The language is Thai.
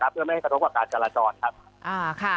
เพื่อไม่ให้กระทบกับการจราจรครับ